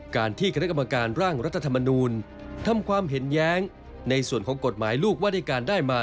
การที่คณะกรรมการร่างรัฐธรรมนูลทำความเห็นแย้งในส่วนของกฎหมายลูกว่าด้วยการได้มา